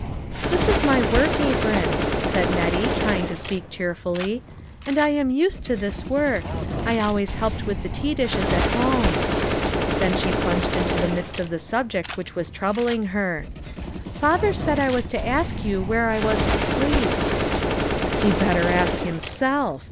" This is my work apron," said Nettie, trying to speak cheerily, " and I am used to this work : I always helped with the tea dishes at home." Then she plunged into the midst of the subject which was troubling her. " Father said I was to ask you where I was to sleep." "He better ask himself!"